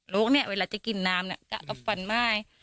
ลูกเนี่ยเวลาจะกินน้ำเนี่ยกะก็ฟันมาก